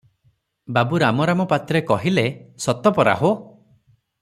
ବାବୁ ରାମରାମ ପାତ୍ରେ କହିଲେ, "ସତ ପରା ହୋ!